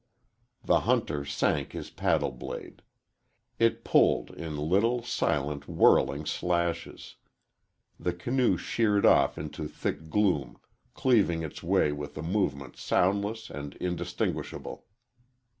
The hunter sank his paddle blade. It pulled in little, silent, whirling slashes. The canoe sheared off into thick gloom, cleaving its way with a movement soundless and indistinguishable.